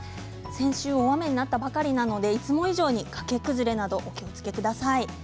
先週、大雨になったばかりなのでいつも以上に崖崩れなどお気をつけください。